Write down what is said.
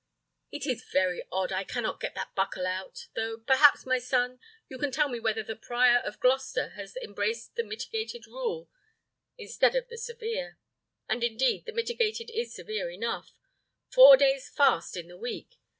it is very odd I cannot get that buckle out; though, perhaps, my son, you can tell me whether the prior of Gloucester has embraced the mitigated rule instead of the severe; and indeed the mitigated is severe enough: four days' fast in the week!